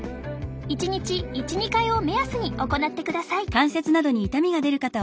１日１２回を目安に行ってください。